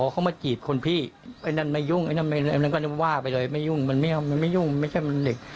เขามากีดคนพี่ไอ้นั่นไม่ยุ่งไอ้นั่นก็ว่าไปเลยไม่ยุ่งมันไม่เอามันไม่ยุ่งไม่ใช่มันเด็ก